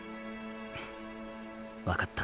分かった。